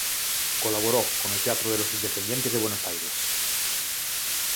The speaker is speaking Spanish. Colaboró con el Teatro de los Independientes de Buenos Aires.